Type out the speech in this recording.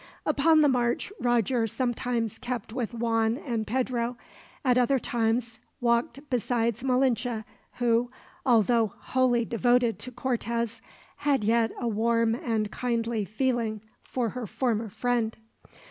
Upon the march Roger sometimes kept with Juan and Pedro, at other times walked beside Malinche, who, although wholly devoted to Cortez, had yet a warm and kindly feeling for her former friend.